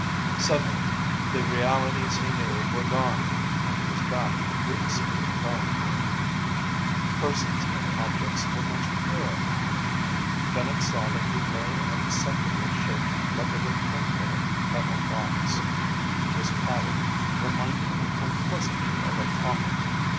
Suddenly the realities he knew were gone and he was back in the dream city of Thone. Persons and objects were much clearer now. Bennett saw that he lay in a receptacle shaped like a rectangular metal box. It was padded, reminding him unpleasantly of a coffin.